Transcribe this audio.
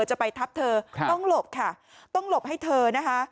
จะไปทับเธอต้องหลบค่ะต้องหลบให้เธอนะคะ